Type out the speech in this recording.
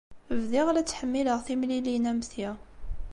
Bdiɣ la ttḥemmileɣ timlilin am ti.